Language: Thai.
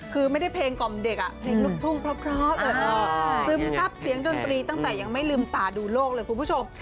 คือไม่ได้เพลงกล่อมเด็กเพลงลูกทุ่งเพราะซึมซับเสียงดนตรีตั้งแต่ยังไม่ลืมตาดูโลกเลยคุณผู้ชม